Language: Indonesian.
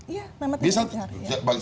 iya memang tidak lancar